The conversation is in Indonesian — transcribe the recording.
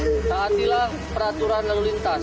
siapapun anda tak hatilah peraturan lalu lintas